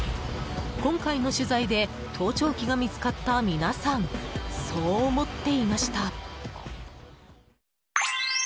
今回の取材で盗聴器が見つかった皆さん、そう思っていました。